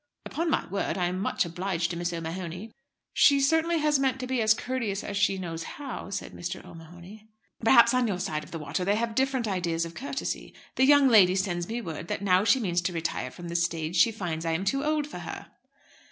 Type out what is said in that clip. "Upon my word, I am much obliged to Miss O'Mahony." "She certainly has meant to be as courteous as she knows how," said Mr. O'Mahony. "Perhaps on your side of the water they have different ideas of courtesy. The young lady sends me word that now she means to retire from the stage she finds I am too old for her."